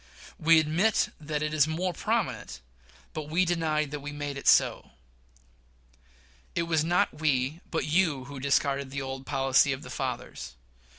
We admit that it is more prominent, but we deny that we made it so. It was not we, but you, who discarded the old policy of the fathers.